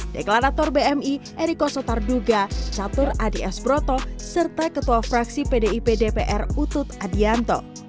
deklarator bmi eriko sotarduga catur adies broto serta ketua fraksi pdi pdpr utut adianto